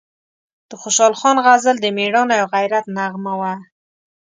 د خوشحال خان غزل د میړانې او غیرت نغمه وه،